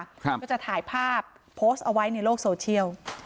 ก็จะถ่ายภาพโพสต์เอาไว้ในโลกโซเชียล